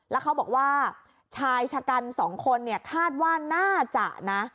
แล้วเขาบอกว่าชายชะกันสองคนเนี่ยคาดว่าน่าจะนะ